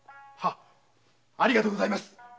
ありがとうございます。